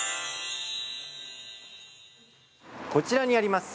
こちらにあります